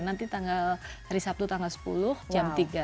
nanti tanggal hari sabtu tanggal sepuluh jam tiga